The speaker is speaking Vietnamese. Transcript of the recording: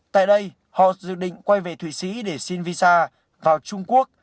tại đây họ dự định quay về thụy sĩ để xin visa vào trung quốc